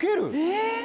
えっ？